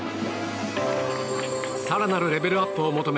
更なるレベルアップを求め